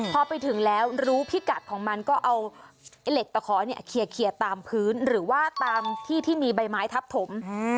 พอไปถึงแล้วรู้พิกัดของมันก็เอาเหล็กตะขอเนี่ยเคลียร์ตามพื้นหรือว่าตามที่ที่มีใบไม้ทับถม